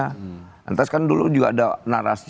lantas kan dulu juga ada narasi